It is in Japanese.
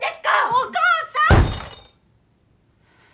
お母さん！